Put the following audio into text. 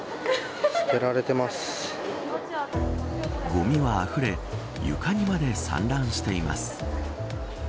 ごみは、あふれ床にまで散乱しています。